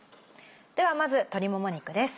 ではまず鶏もも肉です。